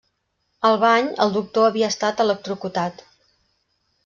Al bany, el doctor havia estat electrocutat.